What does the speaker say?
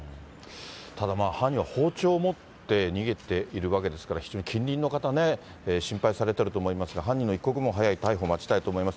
ただ犯人は包丁を持って逃げているわけですから、非常に近隣の方、心配されてると思いますが、犯人の一刻も早い逮捕を待ちたいと思います。